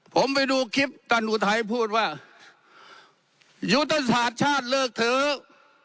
ผมไปดูคลิปท่านอุทัยพูดว่ายุทธศาสตร์ชาติเลิกเถอะ